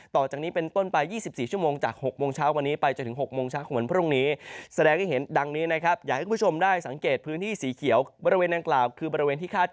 ต่อจากนี้เป็นต้นไป๒๔ชั่วโมงจาก๑๘๐๐วันไป